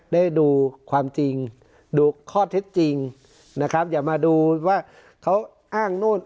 ได้ดูความจริงดูข้อเท็จจริงนะครับอย่ามาดูว่าเขาอ้างนู่น